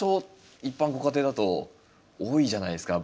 一般のご家庭だと多いじゃないですか。